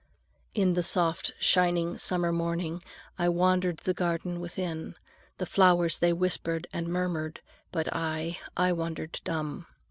'" (In the soft shining summer morning I wandered the garden within. The flowers they whispered and murmured, But I, I wandered dumb.